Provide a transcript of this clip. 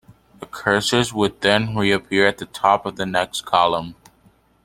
The cursor would then reappear at the top of the next column.